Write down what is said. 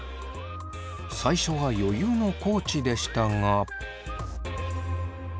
最初は余裕の地でしたが。